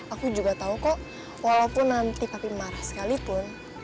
aku juga tau kok walaupun nanti papi marah sekalipun